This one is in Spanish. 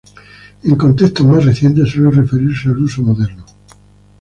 En contextos más recientes suele referirse al uso moderno.